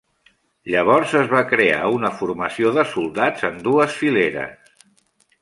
Llavors es va crear una formació de soldats en dues fileres.